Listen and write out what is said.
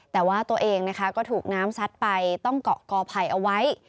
แต่ว่าตัวเองนะคะก็ถูกน้ำซัดไปต้องเกาะกอไผ่เอาไว้